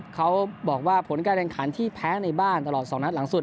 เขาบอกว่าผลการแข่งขันที่แพ้ในบ้านตลอด๒นัดหลังสุด